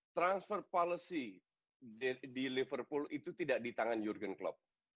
transfer policy di liverpool itu tidak di tangan jurgen klopp